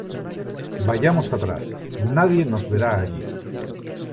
Vayamos atrás . Nadie nos verá allí .